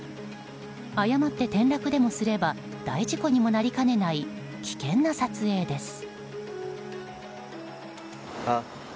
誤って転落でもすれば大事故にもなりかねない危険な撮影です。